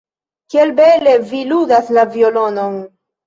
Kiel bele vi ludas la violonon!